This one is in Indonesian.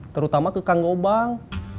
terutama ke kang gobang